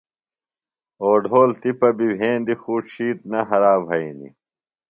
اوڈھول تِپہ بی وھیندی خو ڇِھیتر نہ ہرائی بھینی۔